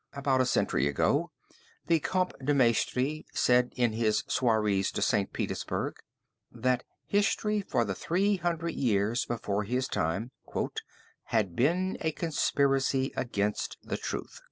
About a century ago the Comte de Maistre said in his Soirées de St. Petersburg, that history for the three hundred years before his time "had been a conspiracy against the truth."